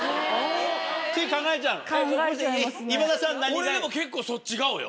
俺でも結構そっち顔よ。